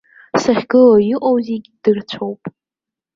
Сахьгылоу иҟоу зегь дырцәоуп.